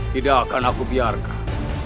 tidak akan aku biarkan